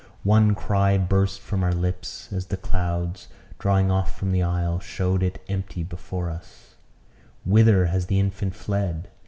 One cry burst from our lips as the clouds, drawing off from the aisle, showed it empty before us "Whither has the infant fled?